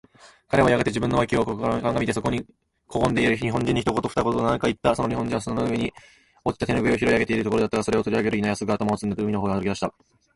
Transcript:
彼はやがて自分の傍（わき）を顧みて、そこにこごんでいる日本人に、一言（ひとこと）二言（ふたこと）何（なに）かいった。その日本人は砂の上に落ちた手拭（てぬぐい）を拾い上げているところであったが、それを取り上げるや否や、すぐ頭を包んで、海の方へ歩き出した。